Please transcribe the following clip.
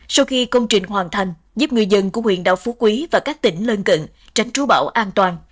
sau khi công trình hoàn thành giúp người dân của huyện đảo phú quý và các tỉnh lân cận tránh trú bão an toàn